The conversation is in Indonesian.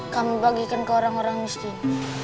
kami bagikan ke orang orang miskin